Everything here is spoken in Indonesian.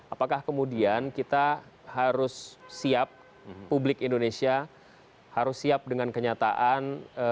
apakah kemudian kita harus siap publik indonesia harus siap dengan kenyataan